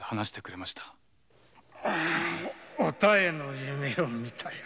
お妙の夢を見たよ。